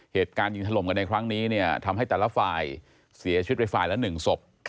เหตุการณ์ยิงถล่มกันในครั้งนี้เนี่ยทำให้แต่ละฝ่ายเสียชีวิตไปฝ่ายละ๑ศพ